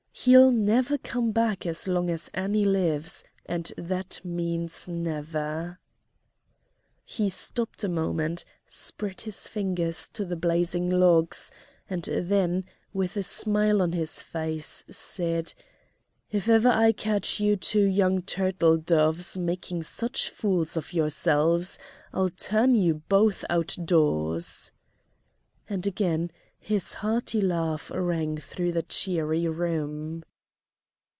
He'll never come back as long as Annie lives, and that means never." He stopped a moment, spread his fingers to the blazing logs, and then, with a smile on his face, said: "If ever I catch you two young turtledoves making such fools of yourselves, I'll turn you both outdoors," and again his hearty laugh rang through the cheery room.